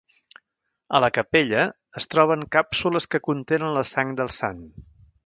A la capella, es troben càpsules que contenen la sang del sant.